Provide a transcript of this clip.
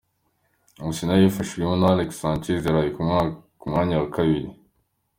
Arsenal ibifashijwemo na Alex Sanchez yaraye ku mwanya wa kabiri.